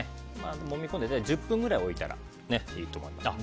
もみ込んで１０分ぐらい置いたらいいと思います。